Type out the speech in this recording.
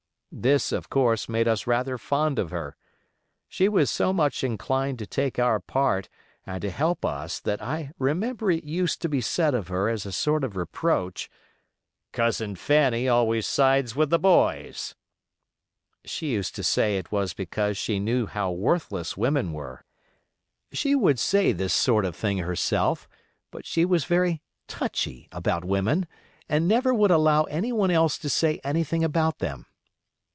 This, of course, made us rather fond of her. She was so much inclined to take our part and to help us that I remember it used to be said of her as a sort of reproach, "Cousin Fanny always sides with the boys." She used to say it was because she knew how worthless women were. She would say this sort of thing herself, but she was very touchy about women, and never would allow any one else to say anything about them.